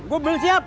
gua belum siap